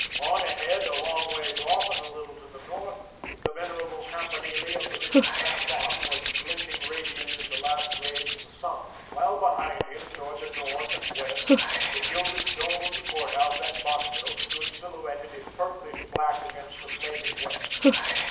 On ahead, a long ways off, and a little to the north, the venerable campanile of the Mission San Juan was glinting radiant in the last rays of the sun, while behind him, towards the north and west, the gilded dome of the courthouse at Bonneville stood silhouetted in purplish black against the flaming west.